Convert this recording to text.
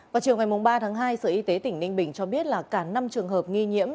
vào chiều ngày ba tháng hai sở y tế tỉnh ninh bình cho biết là cả năm trường hợp nghi nhiễm